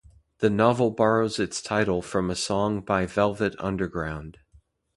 The novel borrows its title from a song by Velvet Underground.